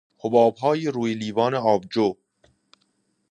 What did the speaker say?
حبابهای روی لیوان آبجو